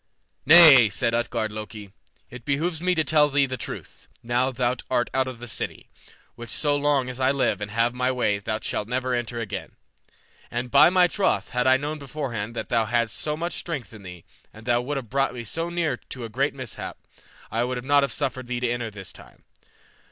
"Nay," said Utgard Loki, "it behooves me to tell thee the truth, now thou art out of the city, which so long as I live and have my way thou shalt never enter again. And, by my troth, had I known beforehand that thou hadst so much strength in thee, and wouldst have brought me so near to a great mishap, I would not have suffered thee to enter this time.